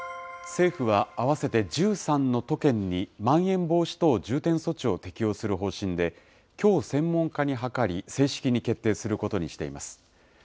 政府は合わせて１３の都県に、まん延防止等重点措置を適用する方針で、きょう専門家に諮り、正式に決定することにしています。